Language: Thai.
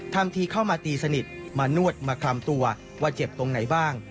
ทำทีเข้ามาตีสนิทมานวดมาคลำตัวว่าเจ็บตรงไหนบ้าง